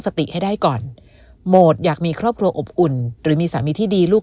สติให้ได้ก่อนโหมดอยากมีครอบครัวอบอุ่นหรือมีสามีที่ดีลูก